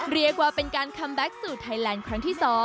เรียกว่าเป็นการคัมแบ็คสูตรไทยแลนด์ครั้งที่๒